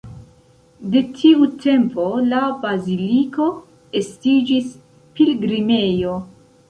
De tiu tempo la baziliko estiĝis pilgrimejo.